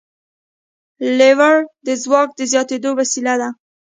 لیور د ځواک د زیاتېدو وسیله ده.